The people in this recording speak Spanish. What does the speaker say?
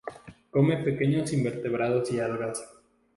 Come pequeños invertebrados y algas.